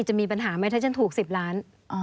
จะมีปัญหาไหมถ้าฉันถูก๑๐ล้าน